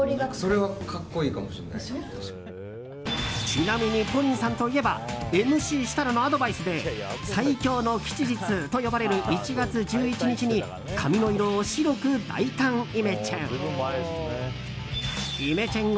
ちなみにＰＯＲＩＮさんといえばＭＣ設楽のアドバイスで最強の吉日と呼ばれる１月１１日に髪の色を白く大胆イメチェン！